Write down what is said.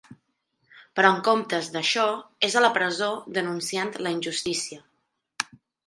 Però en comptes d’això és a la presó ‘denunciant la injustícia’.